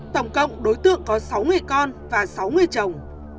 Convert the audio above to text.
tổng cộng đối tượng có sáu người con và sáu người chồng